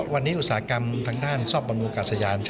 วันนี้อุตสาหกรรมทางด้านซอบบรรยากาศยาน